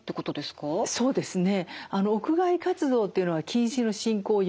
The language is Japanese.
そうですね。